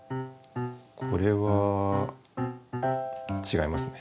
これはちがいますね。